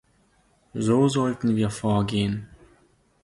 So sollten wir vorgehen.